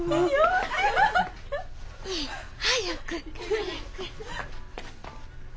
早く早く！